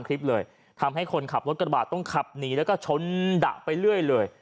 คลิปเลยทำให้คนขับรถกระบาดต้องขับหนีแล้วก็ชนดะไปเรื่อยเลย